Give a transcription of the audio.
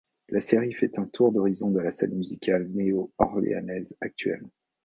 La série fait un tour d'horizon de la scène musicale néo-orléanaise actuelle.